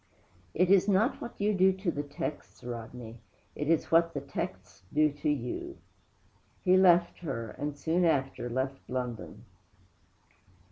'It is not what you do to the texts, Rodney; it is what the texts do to you!' He left her, and, soon after, left London.